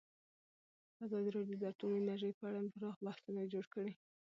ازادي راډیو د اټومي انرژي په اړه پراخ بحثونه جوړ کړي.